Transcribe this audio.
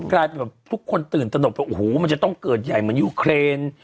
กลายเป็นแบบทุกคนตื่นตนกว่าโอ้โหมันจะต้องเกิดใหญ่เหมือนยูเครน